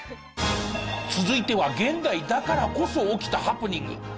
続いては現代だからこそ起きたハプニング。